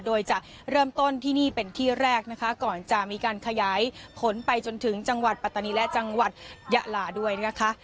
โดยจะเริ่มต้นที่นี่เป็นที่แรกนะคะก่อนจะมีการขยายผลไปจนถึงจังหวัดปัตตานีและจังหวัดยะลาด้วยนะคะ